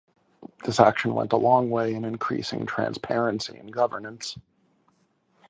This action went a long way in increasing transparency in governance.